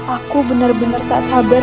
aku benar benar tak sabar